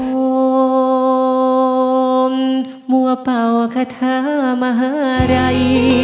ผมมั่วเป่ากระทะมหาลัย